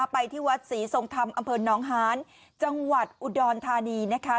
ไปที่วัดศรีทรงธรรมอำเภอน้องฮานจังหวัดอุดรธานีนะคะ